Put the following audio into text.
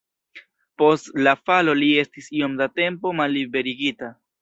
Post la falo li estis iom da tempo malliberigita.